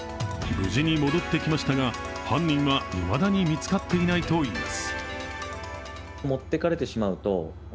無事に戻ってきましたが、犯人はいまだに見つかっていないといいます。